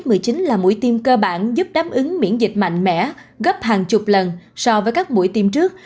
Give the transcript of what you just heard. covid một mươi chín là mũi tiêm cơ bản giúp đáp ứng miễn dịch mạnh mẽ gấp hàng chục lần so với các mũi tiêm trước